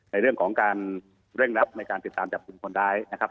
ในเรื่องของการเร่งรัดในการติดตามจับกลุ่มคนร้ายนะครับ